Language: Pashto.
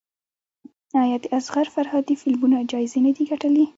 آیا د اصغر فرهادي فلمونه جایزې نه دي ګټلي؟